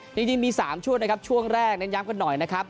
จริงมี๓ช่วงนะครับช่วงแรกเน้นย้ำกันหน่อยนะครับ